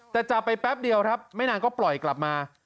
แต่จับไปแป๊บเดียวครับไม่นานก็ปล่อยกลับมา